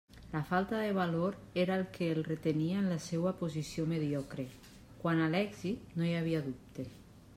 La falta de valor era el que el retenia en la seua posició mediocre; quant a l'èxit, no hi havia dubte.